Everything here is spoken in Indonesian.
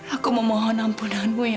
aku memohon ampunan mu ya allah